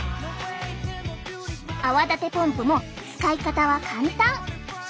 泡立てポンプも使い方は簡単。